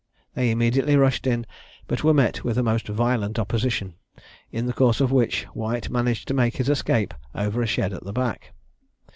They immediately rushed in, but were met with a most violent opposition, in the course of which White managed to make his escape over a shed at the back.